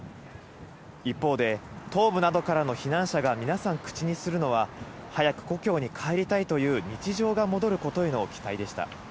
一方で、東部などからの避難者が皆さん口にするのは、早く故郷に帰りたいという、日常が戻ることへの期待でした。